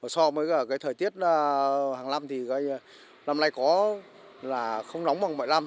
so với thời tiết hàng năm thì năm nay không nóng bằng mọi năm